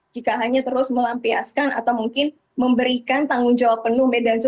jika hanya terus melampiaskan atau mungkin memberikan tanggung jawab penuh medan zo